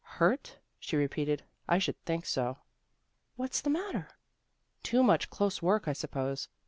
" Hurt? " she repeated. " I should think so." " What's the matter? "" Too much close work, I suppose.